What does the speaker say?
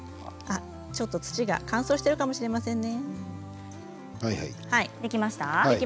ちょっと土が乾燥しているかもしれませんね。